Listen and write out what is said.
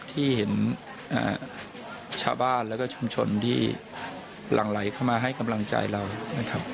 ที่เห็นชาวบ้านแล้วก็ชุมชนที่หลั่งไหลเข้ามาให้กำลังใจเรานะครับ